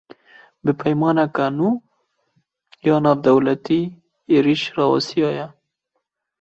Bi peymaneke nû ya navdewletî, êriş rawestiya ye